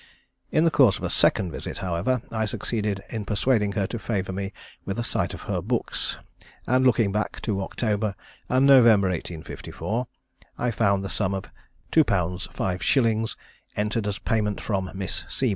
In the course of a second visit, however, I succeeded in persuading her to favour me with a sight of her books, and looking back to October and November, 1854, I found the sum of 2_l_. 5_s_., entered as payment from Miss C.